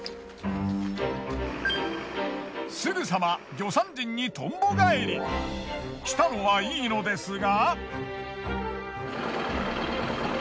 すぐさま魚山人にとんぼ返りしたのはいいのですが。